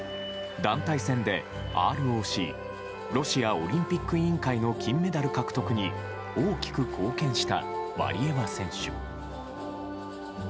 団体戦でＲＯＣ・ロシアオリンピック委員会の金メダル獲得に大きく貢献したワリエワ選手。